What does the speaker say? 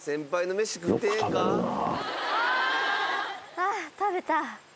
あっ食べた。